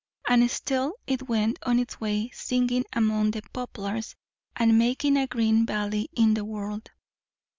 And still it went on its way singing among the poplars, and making a green valley in the world.